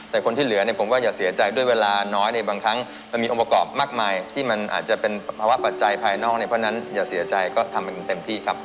แต่คนที่เหลือเนี่ยผมว่าอย่าเสียใจด้วยเวลาน้อยในบางครั้งมันมีองค์ประกอบมากมายที่มันอาจจะเป็นภาวะปัจจัยภายนอกเนี่ยเพราะฉะนั้นอย่าเสียใจก็ทำเป็นเต็มที่ครับ